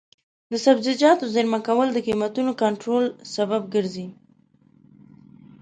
د سبزیجاتو زېرمه کول د قیمتونو کنټرول سبب ګرځي.